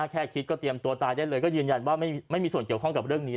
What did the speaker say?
แค่คิดก็เตรียมตัวตายได้เลยก็ยืนยันว่าไม่มีส่วนเกี่ยวข้องกับเรื่องนี้